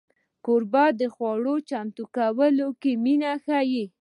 کوربه د خوړو چمتو کولو کې مینه ښيي.